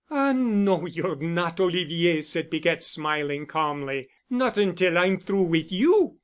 "Ah, no, you're not, Olivier," said Piquette, smiling calmly, "not until I'm through with you."